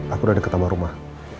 aku udah deket sama rumah